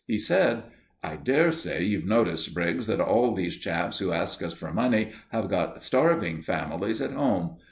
He said: "I dare say you've noticed, Briggs, that all these chaps who ask us for money have got starving families at home.